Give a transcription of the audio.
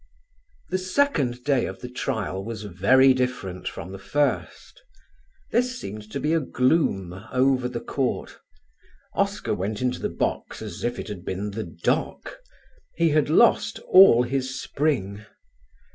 The second day of the trial was very different from the first. There seemed to be a gloom over the Court. Oscar went into the box as if it had been the dock; he had lost all his spring.